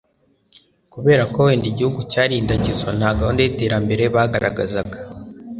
kubera ko wenda igihugu cyari indagizo nta gahunda y'iterambere bagaragazaga